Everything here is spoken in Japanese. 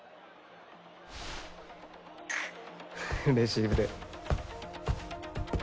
レシーブで。